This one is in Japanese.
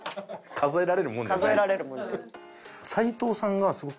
数えられるものじゃない。